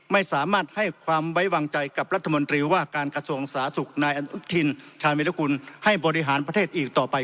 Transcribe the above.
ไม่สามารถให้ความไว้วางใจกับรัฐมนตรีว่าการกระทรวงสาธารณสุขนายอนุทินชาญวิรกุลให้บริหารประเทศอีกต่อไป